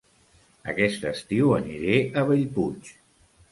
Aquest estiu aniré a Bellpuig